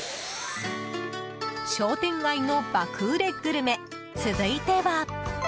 商店街の爆売れグルメ続いては。